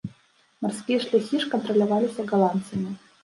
Марскія шляхі ж кантраляваліся галандцамі.